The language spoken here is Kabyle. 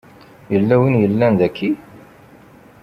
Yella win i yellan daki?